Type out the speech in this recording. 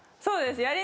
そうです。